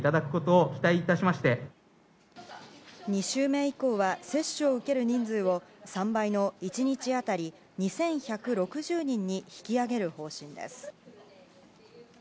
２週目以降は接種を受ける人数を３倍の１日当たり２１６０人に引き上げる方針です。